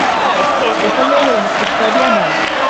وصلنا إلى المستشفى بأمان.